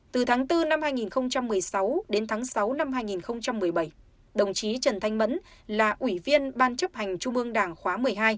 từ tháng bốn năm hai nghìn một mươi sáu đến tháng sáu năm hai nghìn một mươi bảy đồng chí trần thanh mẫn là ủy viên ban chấp hành trung ương đảng khóa một mươi hai